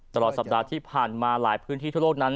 ตลอดสัปดาห์ที่ผ่านมาหลายพื้นที่ทั่วโลกนั้น